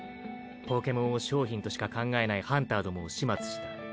ポケモンを商品としか考えないハンターどもを始末した。